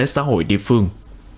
xã hội địa phương